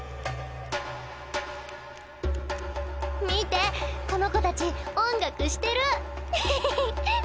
見てこの子たち音楽してる！